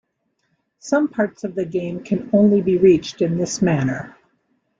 Some parts of the game can only be reached in this manner.